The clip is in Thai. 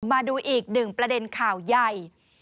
มาดูอีก๑ประเด็นข่าวใหญ่